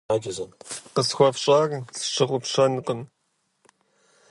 - Къысхуэфщӏар сщыгъупщэнкъым.